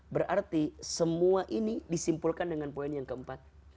berarti semua ini disimpulkan dengan poin yang keempat